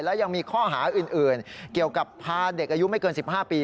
และยังมีข้อหาอื่นเกี่ยวกับพาเด็กอายุไม่เกิน๑๕ปี